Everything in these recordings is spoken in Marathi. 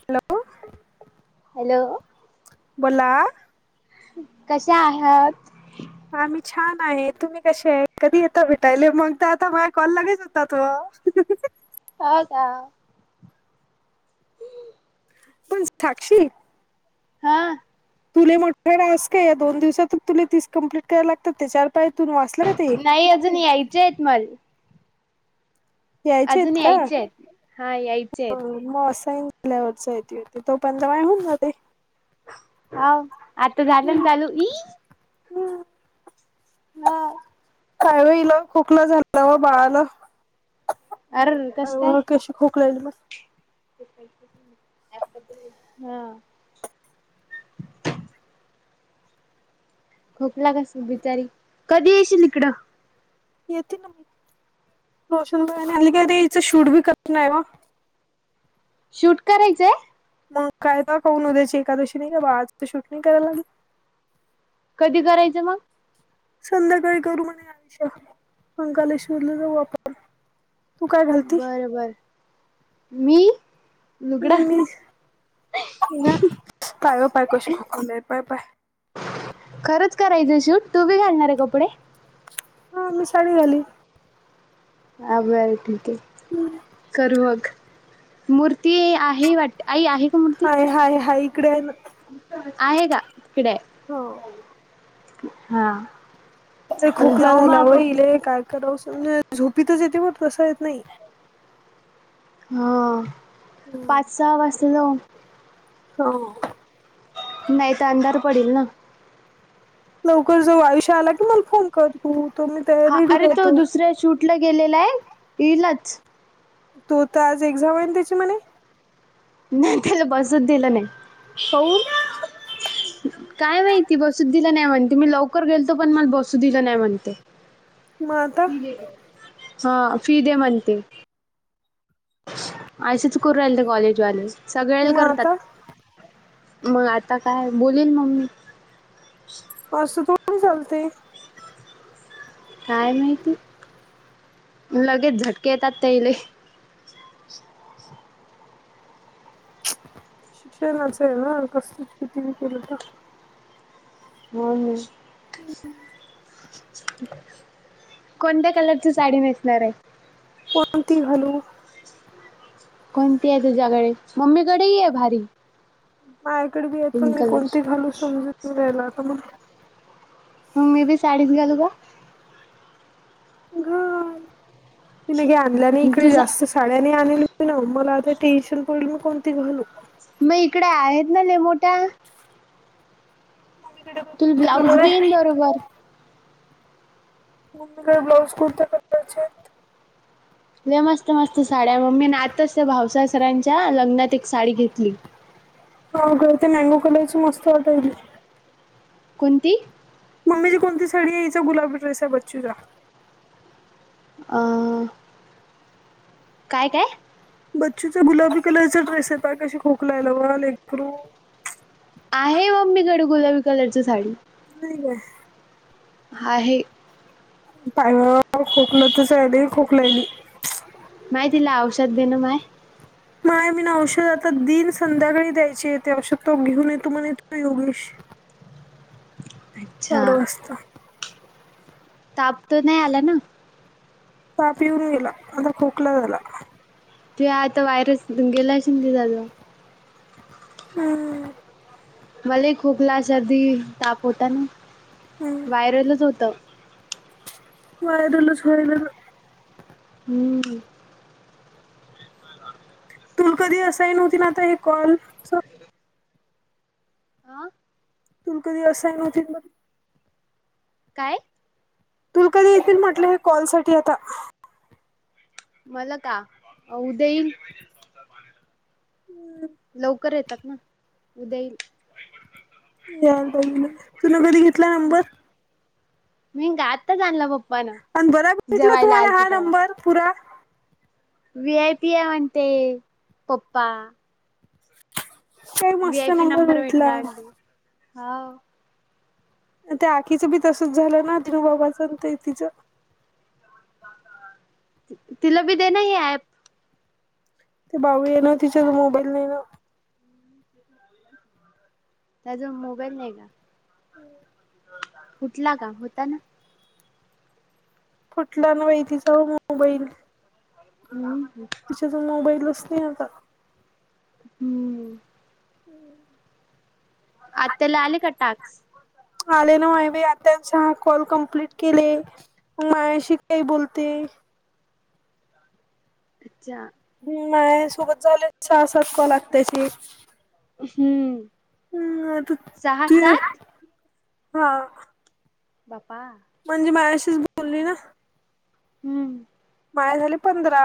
हॅलो हॅलो बोला कसे आहात. आ मी छान आहे तुम्ही कसे आहे कधी येता भेटायले मग तर आता माझ्या कॉल लागेच होऊन जातो. हु हा [unintelligible] हो का पण साक्षी हा तुले मोठ्याकडे अस का या दोन दिवसात तुला तीस कम्प्लीट करायला लागतात ते चार पाय तून वाचलं का ते. नाही अजून यायचे आहेत मला यायचे आहेत अजून का. यायचे आहेत हा यायचे आहेत मसाईन तोपर्यंत माझे होऊन जाते. हो आता झालं ना चालू ई. हम् हो. कावीळ खोकला झालता हो बाळाला. अर कस अ कशी खोकलाल बघ. ते [unintelligible] हा खोकला कस बिचारी कधी येशील इकडं. येते ना मी, रोशनबाई आणली काय इचं शूट बी कर नाही बा. शूट करायचंय. मग काय, तर पाहन उद्याची एकादशी नाही का? बाळाच आज शूटिंग करायला लाग. कधी करायचं मग. संध्याकाळी करू म्हणे, आयुष्य पंकालेश्वरला जाऊ आपण. तू काय घालती बर-बर, मी. लुगडा ह ह तयो पय कैस खक पय पय [inaudible] खरंच करायचं शूट, तू बी घालणार आहे कपडे. हा मी साडी घालीन. हा बरं ठीक आहे. करू बघ, मूर्ती आहे आहे वाटत. आई आहे का मूर्ती? हाय हाय हाय इकडे आहे ना आहे का तिकडे, हो हा. खोकला जाऊ मग झाला हो आपण इले, काय कराव समजत झोपतच येते. बर तसं येत नाही. हो पाच, सहा वाजलेल. हो. नाही तर अंधार पडेल ना? लवकर जाऊ. आयुष्य आला की, मला फोन कर तू, तो मी तयारी राहतो. कुठलं गेलेलं आहे. येईलच. तू तर आज एक्झाम आहे. त्याच्या म्हणे. नाही त्याला बसु दिलं नाही. काहून. काय माहिती बसू दिलं नाही म्हणती, मी लवकर गेलतो, पण मला बसू दिला नाही म्हणते. मग आता फि दे, हा, फि दे म्हणते. असेच करू राहिले कॉलेजवाले, सांगळे मग करतात. आता मग आता काय, बोलेल मम्मी. आस थोडी चालतंय. काय माहिती, लगेच झटके येतात त्या इले. शिक्षणा असेल ना, कस किती बी केलं तर. होय, हो. हम्म. कोणत्या कलरची साडी नेसणार आहे. कोणती घालू? कोणती आहे तुझ्याकडे, मम्मीकडे ही आहे भारी. माझा कडे बी आहेत, पण पिंक मी कोणती कलरची घालू समजून राहियला तर मग. मग मी बी साडीच घालू का? घाल. मी न घे आणल्या नाही मग इकडे, तुझा जास्त शाळ्यानी आणली ना, मला आता टेन्शन पडल मी कोणती घालू? मग इकडे आहेत ना, ले मोठ्या. [unintelligible] मम्मीकडे बघ तुला कोणते ब्लाउज कलर बी येईन आहे बरोबर. मम्मी कड ब्लाऊज कुठल्या प्रकारचे आहे. लइ मस्त-मस्त साड्या, मम्मी ना आताच त्या भावसासरांच्या, लग्नात एक साडी घेतली. हो, खर ते मॅगो कलरची, मस्त वाटायची. कोणती? मम्मीची कोणती साडी आहे, हीचा गुलाबी ड्रेस आहे बच्चूचा. अ काय काय बच्चूचा गुलाबी कलरचा ड्रेस यता कशी खोकलायला वा लेकरू आहे मम्मीकडे गुलाबी कलरची साडी. नाही ग. आहे. [unintelligible] नाही तीला औषध देेन माय. माय मी ना औषध आता दिन संध्याकाळी द्यायची येते औषध तो घेऊन येतो म्हण येतो योगेश. चार अच्छा वाजता. ताप तर नाही आला ना! ताप येऊन गेला आता खोकला झाला. ते आता वायरस गेलाश शिंदी जाल. हम्म मला हि खोकला, सर्दी, ताप होता न हम्म. वायरलच होत. [unintelligible] हम्म. [unintelligible] आ. तू कधी असायन नव्हती मग. काय? तुम कधी येतील म्हटलं हे कॉल साठी आता. मला का उद्या येईल. हम्म. लवकर येतात ना उद्या येईल. यान पहिलं तु न कधी घेतला नंबर. मी गातच आणल पप्पांना आणि बरा भेटला जेवायला तुम्हाला आल ते हा तेव्हा. नंबर पुरा व्हि आय पी हाय म्हणते पप्पा. व्हि आय पी नंबर भेटला अगदी हाव. त्या आखीचं बी तसच झालं ना तिनं बोबाइल सांगतय तिचं. तिला बी दे ना हे अँप. ते बाऊ ये ना तिच्याकडं मोबाईल नाय ना. ह. त्याचा मोबाईल नाही ना. हम्. फुटला का? होता ना. फुटला ना बाई तीचा मोबाईल. हम्. मोबाइलच नाही आता. हम्म. आत्याला आले का टाक्स. आले ना माय आत्यांचा कॉल कम्प्लीट केले. माझ्याशी काय बोलते. अच्छा. माझ्या सोबत झालेत सहा सात कॉल आत्याची. हम्म. हम् आता सहा ते, सात हा. बाप्पा! म्हणजे माझ्याशीच बोलली ना! हुं. माया झाले पंधरा,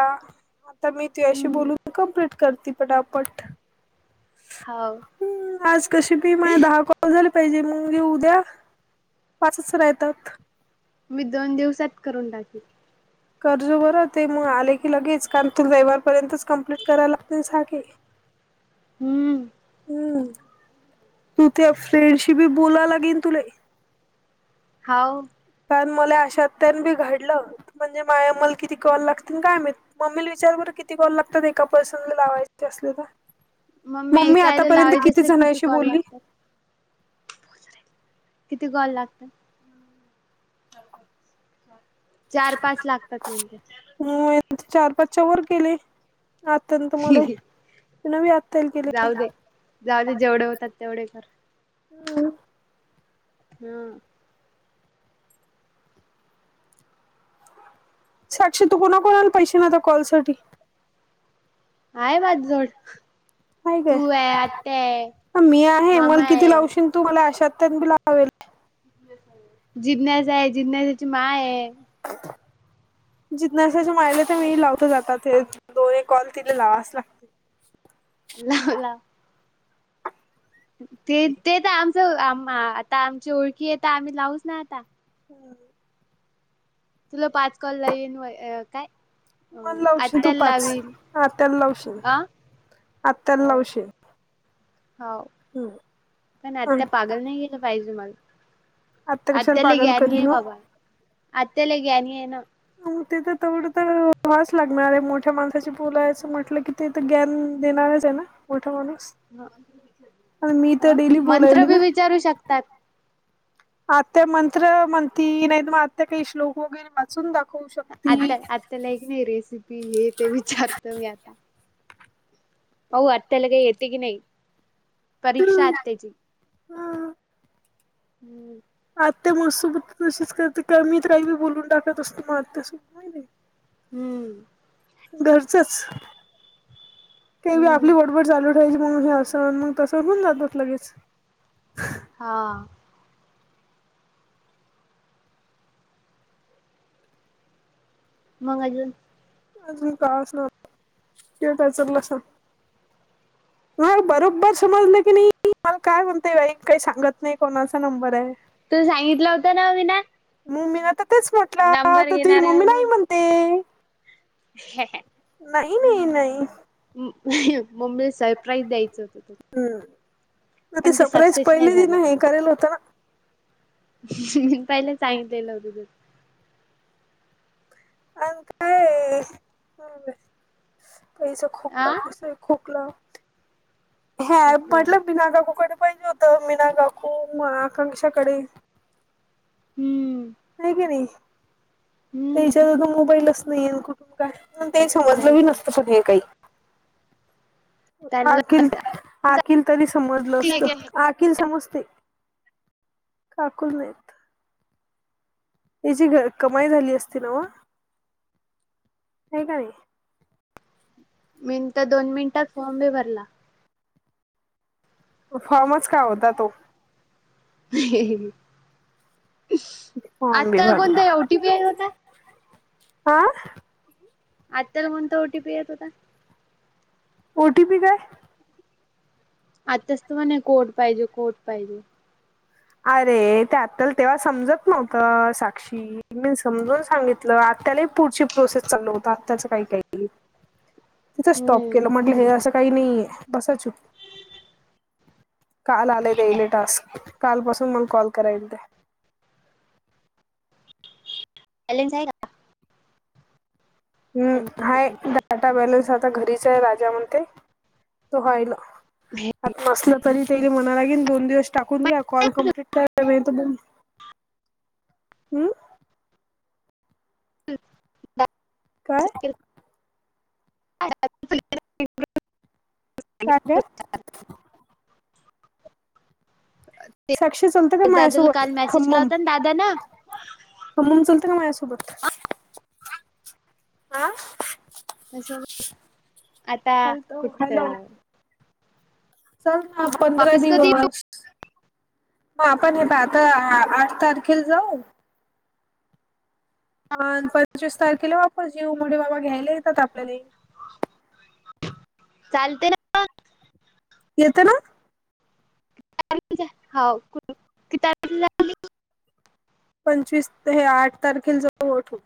आता मी तुझ्याशी हम्म बोलून कंप्लीट करती पटापट. हाव हम्म, आज कशी बी माय दहा कॉ कॉल झाले पाहिजे, मंग [unintelligible] उद्या पाचच ऱ्हायतात. मी दोन दिवसात करून टाकील. करजो बरं, ते मग आले की लगेच. कारन तू रविवारपर्यंतच कम्प्लीट कराय लागतीन साके. हम्म. हम्म, तू त्या फ्रेंडशी बी बोला लागीन तुले. हाव. कारन मले अशा त्यान बी घडलं, म्हणजे माया मल किती कॉल लागतील काय मीत! मम्मीले विचार बंर, किती कॉल लागतात एका पर्सन ला लावायचे असले का? मग मी मम्मी एकायला आतापर्यंत लावायचे किती असले जणांशी कॉल बोलली? लागतात? किती कॉल लागता? चार पाच लागतात म्हणते. मी चार पाचच्या वर केले आत्यान त म्हणे न वी आत्ताईल केले. जाऊ दे. जाऊ दे जेवढे होतात तेवढे कर. केले हम्म. साक्षी तू कोणा कोणाला पैशीन आता कॉल साठी? आहे माझ जवळ, तू आहे, आत्या आहे, मामा आहे. तु मला आशा आत्या न बी लाव [unintelligible] जिज्ञासा आहे, जिज्ञासाची माय हे. [inaudible] जिज्ञासाच्या मायले तर मी लावतोच आता ते दोन एक कॉल तिले लावाच लागतील. लाव-लाव. ते-ते त आमचं आम- आता आमची ओळखी आहे तर आम्ही लावूच ना आता! हम्म. तुला पाच कॉल लावीन वय, अ काय? अ मल लावशील तू आत्याला पाच, लावीन. आत्याला लावशील, अ आत्याला लावशील. हाव हम्म पण आत्या पागल नाही [unintelligible] कशाला आत्या लई पागल ग्यानी हे करीन ओ बाबा, आत्या लई ग्यानीये ना. मग ते तर तेवढं तर [unintelligible] लागणार आहे, मोठ्या माणसाशी बोलायचं म्हटलं की ते तर ग्यान देणारच आहे ना, मोठा माणूस. हं, आणि मी तर अ! डेली मंत्र बोलायली बी ना विचारू शकतात. आत्या मंत्र म्हणती, नाहीत मग आत्या काही श्लोक वगैरे वाचून दाखवू शकती. त्याला एक मी रेसिपी हे ते विचारते मी आता. पाहु आत्याला काही येते की नाही, परीक्षा आत्याची. अ हम्म. आत्या म सोबत तशीच करते, [unintelligible] काही बी बोलून टाकत असते, [unintelligible] हम्म. घरचच, ते बी हम्म आपली बोडबड चालू [unintelligible] हे अस मग तसं होऊन जातात लगेच हा. मग अजून? अजून काय असन ते त्याचं नसणं नाही बरोबर समजलं की नाही मला काय म्हणते बाई काही सांगत नाही कोणाचा नंबरये तुला सांगितला होता ना मीन मं मी आता तेच म्हटला तर तुझी घेणार मम्मी नाही म्हणते हे हे नाही नाही नाही मम्मीला सरप्राईज द्यायचं होतं तुला हम्म म ते सरप्राईज पहिले दि नाही हे करेल होत ना म पहिले सांगितलेलं होत तुला अन काये कलसा खोकला आ कसय खोकला. ह्या खोकला पडलं मीना काकूकडे पाहिजे होतं मीना काकू म आकांक्षाकडे हम्म. आणि हम्म त्याच्याकड तो मोबाईलच नाहीय अन कुट काय पण ते समजलं बी नाहीच आहे नसतं पण हे काही अखिल आखिल तरी समजलं असत त्यांना अखिल तरी समजते काकुला नाही त्याची घर कमाई झाली असती ना नाही का नाही मिनिटं दोन मिनिटात फॉर्म भी भरला फॉर्मच काय होता तो हे आता कोणता ओटीपी आला होता? आं? आता कोणता ओटीपी येत होता? ओटीपी काय? आताच तर म्हणे कोड पाहिजे की कोड पाहिजे अरे ते आलत तेव्हा समजत नव्हतं साक्षी मी समजून सांगितलं आत्यालाही पुढची प्रोसेस चालू होता आत्याच काही नाही तिथंच स्टॉप हम्म केलं म्हटलं हे असं काही नाहीे बसा चूप काल आले ताईला टास्क काल पासून मग कॉल करायली ते बॅलन्स आहे का? हम्म त्यांच्या हाय फोन? डाटा बॅलन्स आता घरीच आहे राजा म्हणते तो राहिला आता नसलं तरी ते मनाला घेन दोन दिवस टाकून घ्या कॉल कंप्लीट करा नाहीतर हम्म. काय? [inaudible] [inaudible] ् काय काय साक्षी चलते का दादाला माझ्यासोबत काल मेसेज केला होता ना दादा ना थांबून चालत का माझ्यासोबत हा तसं बी आता हॅलो कुठ? हॅलो चल ना पंधरा वापिस कधी येऊ दिवस मग आपण हेेत आता आठ तारखेला जाऊ अ पंचवीस तारखेला वापस घेऊ मोठे बाबा घ्यायला येतात आपले. चालते ना. येतं ना. क [unintelligible] पंचवीस ते आठ तारखेला जवळ होत.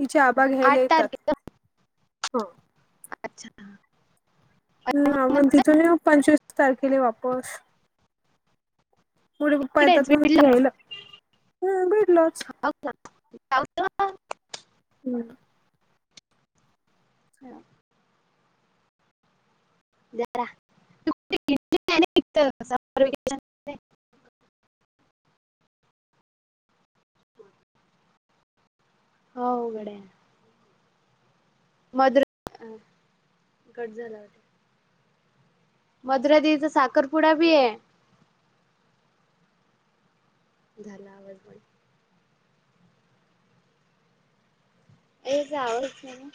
हिचे आबा घ्यायला आठ येतात. तारखेला हो अच्छा! ह आपण तिथून पंचवीस तारखेला वापस, पुढे पप्पा इकडेच येतात ना बीडला घ्यायला ह भेडलच. अछा [unintelligible] हम् [inaudible] [unintelligible] [unintelligible] हो गड्या. [unintelligible] कट झाला मधुरा दी चा साखरपुडा बी ये. झाला आवाज बाई. ए जावंच नाही ना.